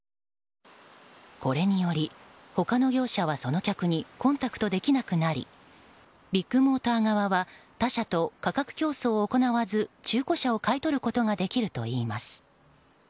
これにより、他の業者はその客にコンタクトできなくなりビッグモーター側は他社と価格競争を行わず中古車を買い取ることができるといいます。